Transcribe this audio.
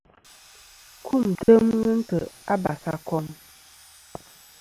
Kumtem ghɨ ntè' a basakom.